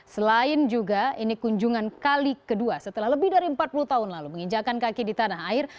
selain juga ini kunjungan kali kedua setelah lebih dari empat puluh tahun lalu menginjakan kaki di tanah air